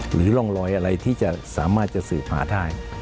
หรือร่องรอยอะไรที่จะสามารถจะสืบหาได้